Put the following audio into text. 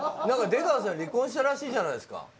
出川さん離婚したらしいじゃないですか。